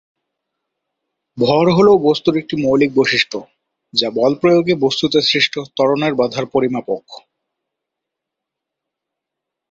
ভর হলো বস্তুর একটি মৌলিক বৈশিষ্ট্য যা বল প্রয়োগে বস্তুতে সৃষ্ট ত্বরণের বাধার পরিমাপক।